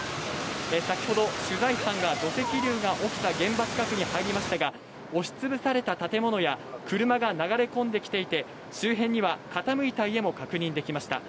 先ほど、取材班が土石流が起きた現場近くに入りましたが、押しつぶされた建物や、車が流れ込んできていて、周辺には傾いた家も確認できました。